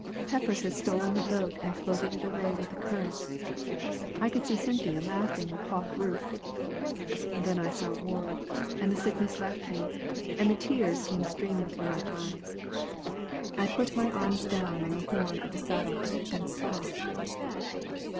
Peppers had stolen the boat and floated it away with the current. I could see Cynthia laughing with Hawk Rufe. Then I saw Ward, and the sickness left me, and the tears came streaming through my eyes. I put my arms down on the horn of the saddle and sobbed.